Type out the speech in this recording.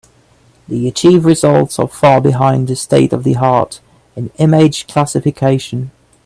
The achieved results are far behind the state-of-the-art in image classification.